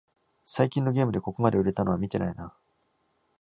最近のゲームでここまで売れたのは見てないな